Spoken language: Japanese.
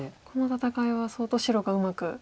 この戦いは相当白がうまく。